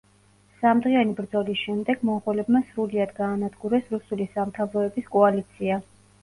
სამდღიანი ბრძოლის შემდეგ მონღოლებმა სრულიად გაანადგურეს რუსული სამთავროების კოალიცია.